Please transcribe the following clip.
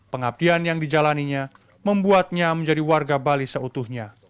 pengabdian yang dijalaninya membuatnya menjadi warga bali seutuhnya